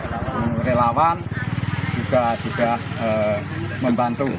pengurang pengurang relawan juga sudah membantu